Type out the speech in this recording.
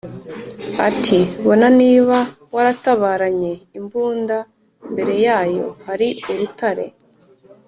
ati: bona niba waratabaranye imbunda, imbere yayo hali urutare!